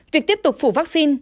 việc tiếp tục phủ vaccine